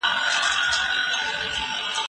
زه پرون بازار ته ولاړم!؟